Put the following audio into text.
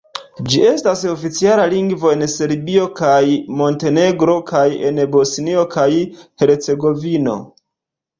Ĝi estas oficiala lingvo en Serbio kaj Montenegro kaj en Bosnio kaj Hercegovino.